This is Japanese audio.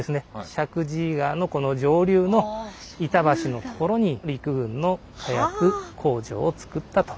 石神井川のこの上流の板橋の所に陸軍の火薬工場をつくったと。